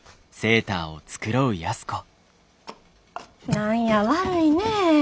何や悪いねえ。